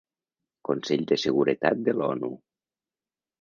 Consell de Seguretat de l'ONU.